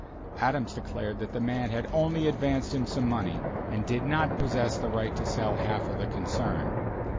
Adams declared that the man had only advanced him some money, and did not possess the right to sell half of the concern.